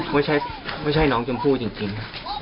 ไม่ใช่น้องชมพู่จริง